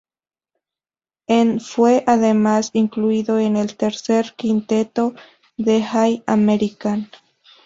En fue además incluido en el tercer quinteto del All-American.